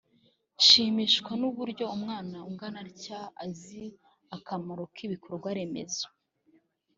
nshimishwa n’uburyo umwana ungana atya azi akamaro k’ibikorwa remezo